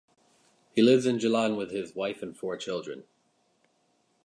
He lives in Gjilan with his wife and four children.